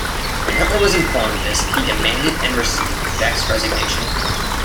When Hitler was informed of this, he demanded and received Beck's resignation.